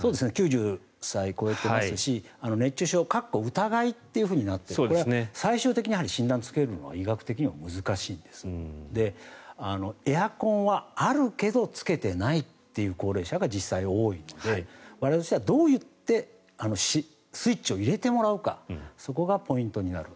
９０歳を超えてますし熱中症括弧疑いとなっていますのでこれは最終的には診断をつけるのは医学的には難しいのでエアコンはあるけどつけていないという高齢者が実際に多いので我々としてはどう言ってスイッチを入れてもらうかそこがポイントになる。